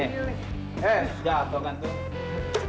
eh jatuh kan tuh